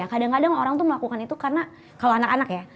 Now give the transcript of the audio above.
kadang kadang orang tuh melakukan itu karena kalau anak anak ya